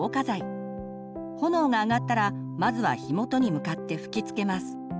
炎があがったらまずは火元に向かって吹きつけます。